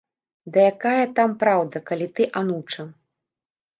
Ды якая там праўда, калі ты ануча.